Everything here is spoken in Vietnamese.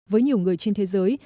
với nhiều người trên thế giới